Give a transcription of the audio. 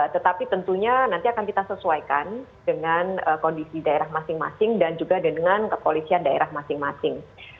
tetapi tentunya nanti akan kita sesuaikan dengan kondisi daerah masing masing dan juga dengan kepolisian daerah masing masing